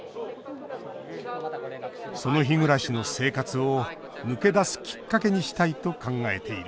その日暮らしの生活を抜け出すきっかけにしたいと考えている